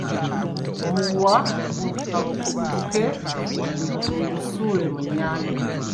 Omuguwa kagukutuke gu nsuule mu nnyanja.